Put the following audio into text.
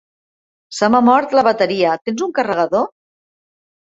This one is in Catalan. Se m'ha mort la bateria, tens un carregador?